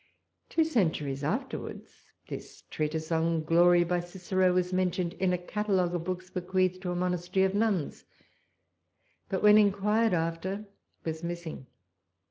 Two centuries afterwards, this treatise on Glory by Cicero was mentioned in a catalogue of books bequeathed to a monastery of nuns, but when inquired after was missing.